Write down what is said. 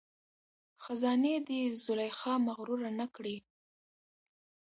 خزانې دي زلیخا مغروره نه کړي